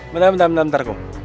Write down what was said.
bentar bentar bentar kum